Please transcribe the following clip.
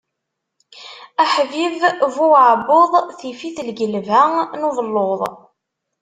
Aḥbib bu uɛebbuḍ, tif-it lgelba n ubellud.